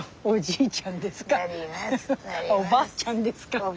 おばあちゃんですか？